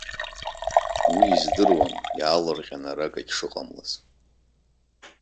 Уи издыруам иаалырҟьаны ара акгьы шыҟамлаз.